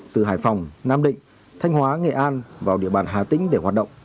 từ hải phòng nam định thanh hóa nghệ an vào địa bàn hà tĩnh để hoạt động